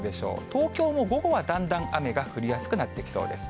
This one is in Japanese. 東京も午後はだんだん雨が降りやすくなってきそうです。